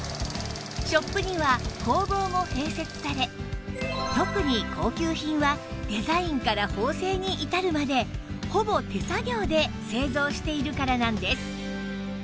ショップには工房も併設され特に高級品はデザインから縫製に至るまでほぼ手作業で製造しているからなんです